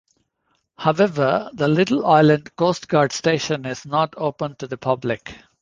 However, the Little Island Coast Guard Station is not open to the public.